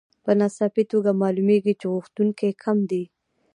په ناڅاپي توګه معلومېږي چې غوښتونکي کم دي